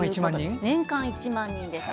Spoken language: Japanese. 年間１万人です。